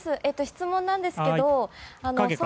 質問なんですけど。